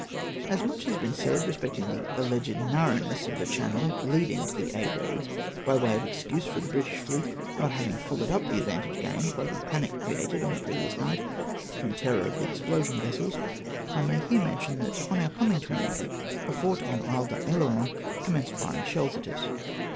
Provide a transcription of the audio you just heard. As much has been said respecting the alleged nar rowness of the channel leading to Aix Eoads, by way of excuse for the British fleet not having followed up the advantage gained by the panic created on the pre vious night, from terror of the explosion vessels, I may here mention, that on om* coming to an anchor, a fort on Isle d'Oleron commenced firing sheUs at us.